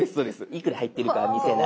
いくら入っているかは見せない。